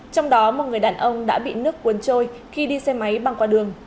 trong đó một người đàn ông đã bị nước cuốn trôi khi đi xe máy băng qua đường